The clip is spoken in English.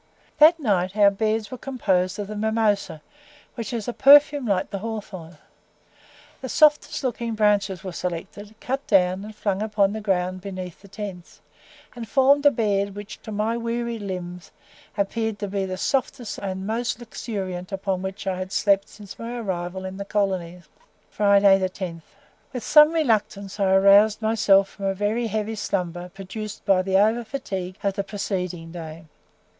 This night our beds were composed of the mimosa, which has a perfume like the hawthorn. The softest looking branches were selected, cut down, and flung upon the ground beneath the tents, and formed a bed which, to my wearied limbs, appeared the softest and most luxuriant upon which I had slept since my arrival in the colonies. FRIDAY, 10. With some reluctance I aroused myself from a very heavy slumber produced by the over fatigue of the preceding day.